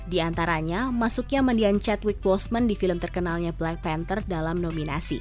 di antaranya masuknya mendiang chadwick boseman di film terkenalnya black panther dalam nominasi